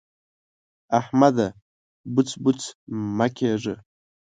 احمده! بوڅ بوڅ مه کېږه.